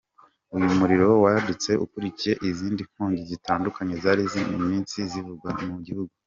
Uyu muriro wadutse ukurikiye izindi nkongi zitandukanye zari zimaze iminsi zivugwa mu gihugu.